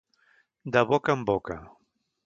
De boca en boca.